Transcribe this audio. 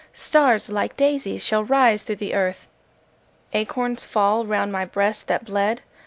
Stars, like daisies, shall rise through the earth, Acorns fall round my breast that bled.